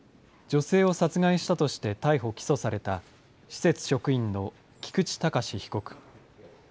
女性を殺害したとして逮捕・起訴された施設職員の菊池隆被告。